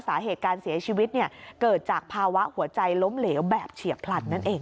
สาเหตุการเสียชีวิตเกิดจากภาวะหัวใจล้มเหลวแบบเฉียบพลันนั่นเอง